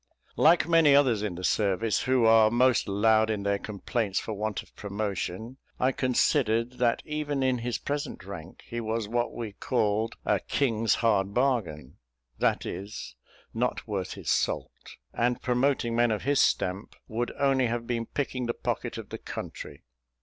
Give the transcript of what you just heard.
Like many others in the service, who are most loud in their complaints for want of promotion, I considered that even in his present rank he was what we called a king's hard bargain that is, not worth his salt; and promoting men of his stamp would only have been picking the pocket of the country.